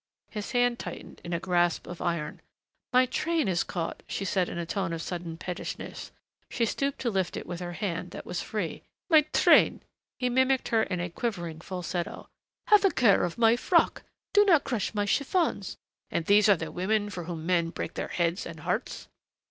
His hand tightened in a grasp of iron. "My train is caught," she said in a tone of sudden pettishness; she stooped to lift it with her hand that was free. "My train !" he mimicked her in a quivering falsetto. "Have a care of my frock do not crush my chiffons.... And these are the women for whom men break their heads and hearts!"